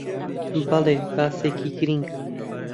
بەڵێ، باسێکی گرینگە